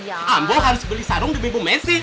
ambo harus beli sarung demi bu messi